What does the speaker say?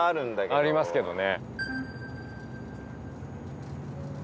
ありますけどね。